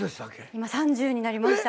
今３０になりました。